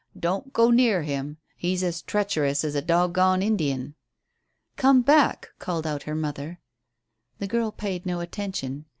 "Don't go near him. He's as treacherous as a dogone Indian." "Come back," called out her mother. The girl paid no attention.